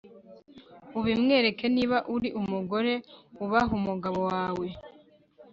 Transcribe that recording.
ubimwereke Niba uri umugore ubaha umugabo wawe